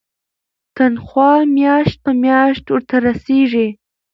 تنخوا میاشت په میاشت ورته رسیږي.